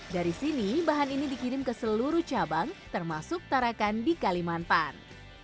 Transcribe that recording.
dari sini bahan ini dikirim ke seluruh cabang termasuk tarakan di kalimantan